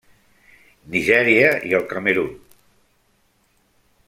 Nigèria i el Camerun.